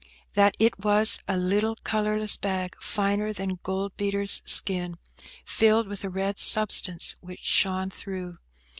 That is was a little colourless bag, finer than gold beater's skin, filled with a red substance, which shone through.